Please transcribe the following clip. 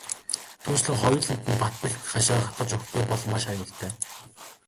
Түүнчлэн хоёуланд нь бат бэх хашаа хатгаж өгөхгүй бол маш аюултай.